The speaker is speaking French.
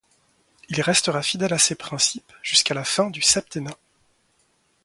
Il restera fidèle à ces principes jusqu'à la fin du septennat.